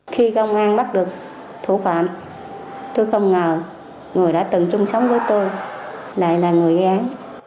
khi công an bắt được thủ phạm tôi không ngờ người đã từng chung sống với tôi lại là người gây án